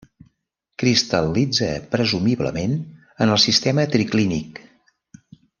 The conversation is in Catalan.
Cristal·litza presumiblement en el sistema triclínic.